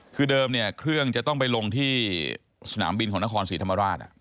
คือเดิมเนี่ยเครื่องจะต้องไปลงที่สนามบินของนครศรีธรรมราช